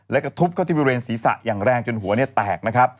และกับทุบเขาที่บิเวรศีรษะอย่างแรงจนหัวแตก